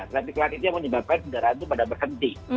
traffic light itu yang menyebabkan kendaraan itu pada berhenti